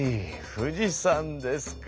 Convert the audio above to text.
富士山ですか。